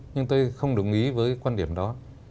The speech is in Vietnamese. nhưng tôi không đồng ý với quan điểm đó